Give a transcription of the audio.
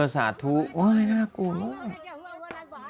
สาธุโอ๊ยหน้ากลูก